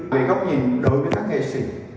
vì góc nhìn đối với các nghệ sĩ